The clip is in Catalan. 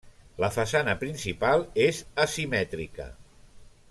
La façana principal és asimètrica.